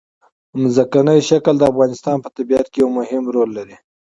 ځمکنی شکل د افغانستان په طبیعت کې یو مهم رول لري.